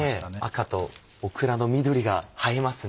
赤とオクラの緑が映えますね。